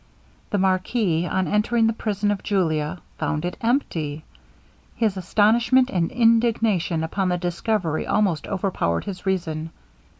The marquis, on entering the prison of Julia, found it empty! His astonishment and indignation upon the discovery almost overpowered his reason.